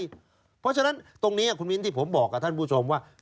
เพราะฉะนั้นตรงนี้คุณมิ้นที่ผมบอกกับท่านผู้ชมว่า